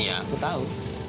iya aku tau